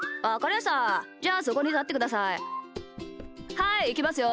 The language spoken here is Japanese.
はいいきますよ。